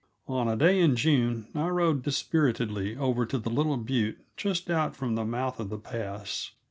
On a day in June I rode dispiritedly over to the little butte just out from the mouth of the pass.